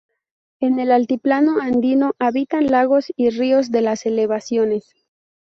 En el altiplano andino habitan lagos y ríos de las elevaciones.